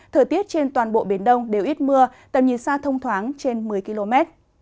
thời tiết trên toàn bộ biển đông đều ít mưa tầm nhìn xa thông thoáng trên một mươi km